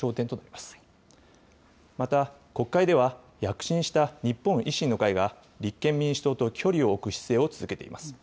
また国会では、躍進した日本維新の会が、立憲民主党と距離を置く姿勢を続けています。